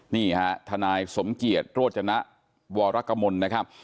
นี่ฮะทนายสมเกียจโรจนะวรกมลนะครับ